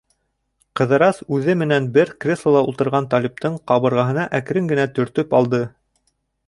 Ҡыҙырас үҙе менән бер креслола ултырған Талиптың ҡабырғаһына әкрен генә төртөп алды.